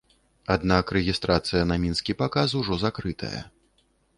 Аднак рэгістрацыя на мінскі паказ ужо закрытая.